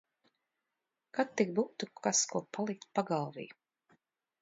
Kad tik būtu kas ko palikt pagalvī.